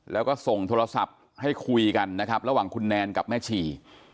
แล้วก็ส่งโทรศัพท์ให้คุยกันนะครับระหว่างคุณแนนกับแม่ชี